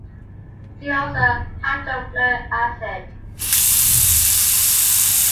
See also hydrofluoric acid.